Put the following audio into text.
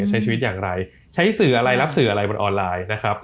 ใช้ชีวิตอย่างไรใช้สื่ออะไรรับสื่ออะไรบนออนไลน์นะครับ